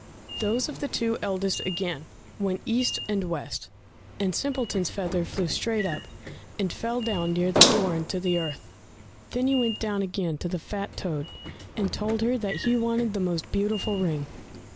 Those of the two eldest again went east and west, and Simpleton's feather flew straight up, and fell down near the door into the earth. Then he went down again to the fat toad, and told her that he wanted the most beautiful ring.